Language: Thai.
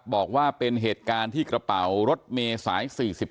บอกว่าเป็นเหตุการณ์ที่กระเป๋ารถเมย์สาย๔๔